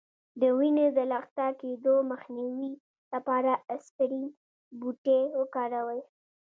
د وینې د لخته کیدو مخنیوي لپاره اسپرین بوټی وکاروئ